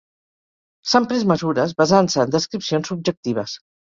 S'han pres mesures basant-se en descripcions subjectives.